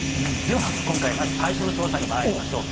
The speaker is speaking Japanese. では今回まず最初の調査にまいりましょう。